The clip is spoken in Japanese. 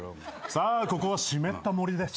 さあここは湿った森です。